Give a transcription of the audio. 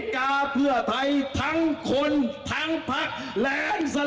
คิดหอดกันหมอ